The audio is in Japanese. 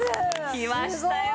きましたよ